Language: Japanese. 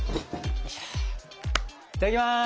いただきます。